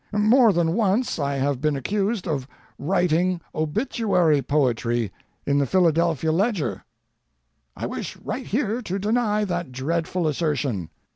More than once I have been accused of writing obituary poetry in the Philadelphia Ledger. I wish right here to deny that dreadful assertion.